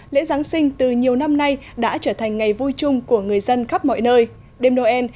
lễ giáng sinh từ nhiều năm nay đã trở thành ngày vui chung của người dân khắp mọi nơi đêm noel